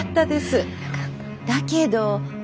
だけど。